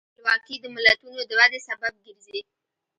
خپلواکي د ملتونو د ودې سبب ګرځي.